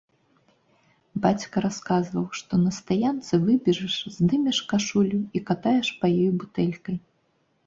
Бацька расказваў, што на стаянцы выбежыш, здымеш кашулю і катаеш па ёй бутэлькай.